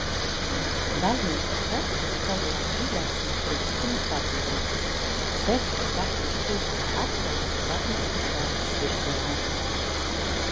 Baznīcas freskas savulaik izraisīja kritiku no sabiedrības, sevišķi sarkanas čūskas attēls baznīcas velves virsotnē.